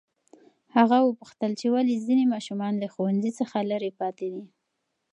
هغه وپوښتل چې ولې ځینې ماشومان له ښوونځي څخه لرې پاتې دي.